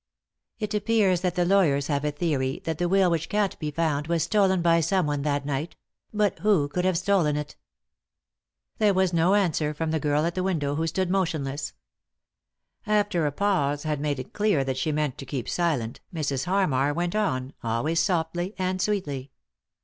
" It appears that the lawyers have a theory that the will which can't be found was stolen by someone that night — but who could have stolen it ?" There was no answer from the girl at the window, r 5 o 3i 9 iii^d by Google THE INTERRUPTED KISS who stood motionless. After a pause had made it clear that she meant to keep silent Mrs. Harmar went on, always softly and sweetly.